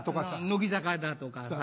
乃木坂だとかさ。